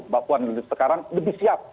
mbak puan sekarang lebih siap